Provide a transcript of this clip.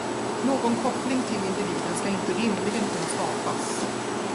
Någon koppling till individen ska inte rimligen kunna skapas.